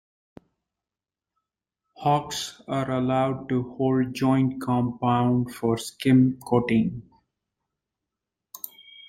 Hawks are also used to hold joint compound for skim coating.